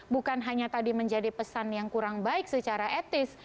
bukan hanya tadi menjadi pesan yang kurang baik secara etis